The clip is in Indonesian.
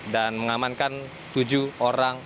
dan mengamankan tujuh orang